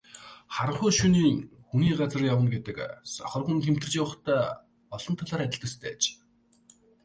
Харанхуй шөнө хүний газар явна гэдэг сохор хүн тэмтэрч ядахтай олон талаар төстэй аж.